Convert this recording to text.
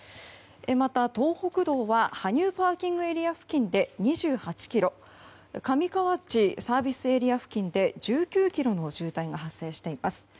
また、東北道は羽生ＰＡ付近で２８ｋｍ上河内ＳＡ付近で１９ｋｍの渋滞が発生しています。